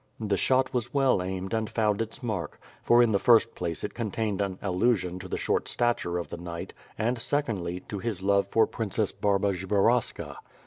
The shot was well aimed and found its mark, for, in the first place it contained an allusion to the short stature of the knight, and, secondly, to his love for Princess Barbara Zbaraska.